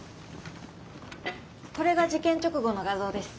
これが事件直後の画像です。